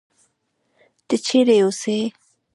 ته چېرې اوسې؟